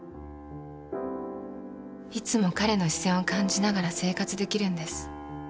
いつも彼の視線を感じながら生活出来るんです。